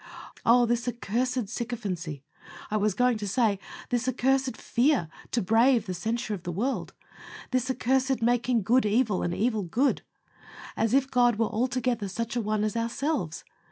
Oh! this accursed sycophancy; I was going to say, this accursed fear to brave the censure of the world this accursed making good evil and evil good, as if God were altogether such an one as ourselves.